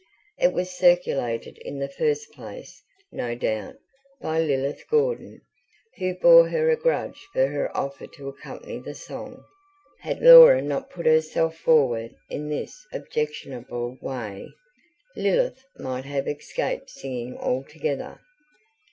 It was circulated in the first place, no doubt, by Lilith Gordon, who bore her a grudge for her offer to accompany the song: had Laura not put herself forward in this objectionable way, Lilith might have escaped singing altogether.